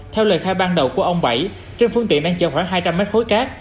theo lời khai ban đầu của ông bảy trên phương tiện đang chờ khoảng hai trăm linh mét khối cát